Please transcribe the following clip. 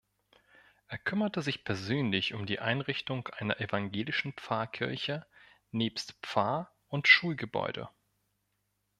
Er kümmerte sich persönlich um die Einrichtung einer evangelischen Pfarrkirche nebst Pfarr- und Schulgebäude.